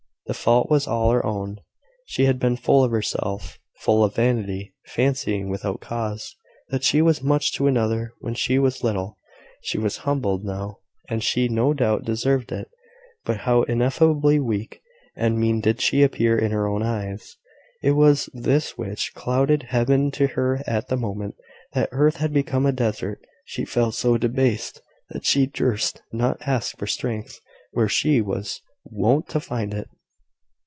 The fault was all her own. She had been full of herself, full of vanity; fancying, without cause, that she was much to another when she was little. She was humbled now, and she no doubt deserved it. But how ineffably weak and mean did she appear in her own eyes! It was this which clouded Heaven to her at the moment that earth had become a desert. She felt so debased, that she durst not ask for strength where she was wont to find it.